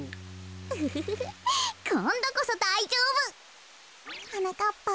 ウフフフこんどこそだいじょうぶ！はなかっぱん。